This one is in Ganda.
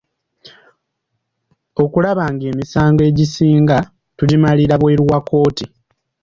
Okulaba ng’emisango egisinga tugimalira bweru wa kkooti.